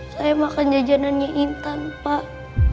saya makan jajanan yang intan pak